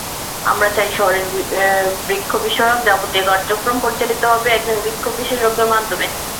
আমরা চাই শহরের বৃক্ষবিষয়ক যাবতীয় কার্যক্রম পরিচালিত হবে একজন বৃক্ষ বিশেষজ্ঞের মাধ্যমে।